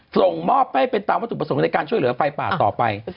ส่งมอบให้เป็นตามวัตถุประสงค์ในการช่วยเหลือไฟป่าต่อไป